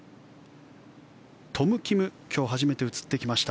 トム・キム今日初めて映ってきました。